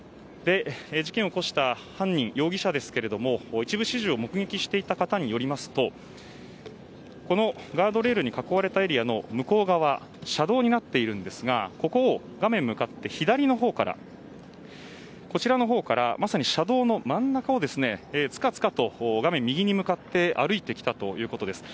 事件を起こした犯人容疑者ですが一部始終を目撃していた方によりますとこのガードレールに囲われたエリアの向こう側車道になっているんですがここを画面向かって左のほうからまさに車道の真ん中をつかつかと画面右に向かって歩いてきたということです。